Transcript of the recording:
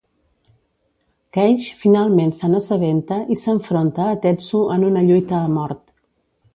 Kage finalment se'n assabenta i s'enfronta a Tetsu en una lluita a mort.